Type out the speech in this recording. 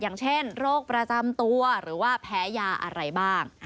อย่างเช่นโรคประจำตัวหรือว่าแพ้ยาอะไรบ้าง